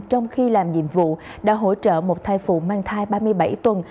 trong khi làm nhiệm vụ đã hỗ trợ một thai phụ mang thai ba mươi bảy tuần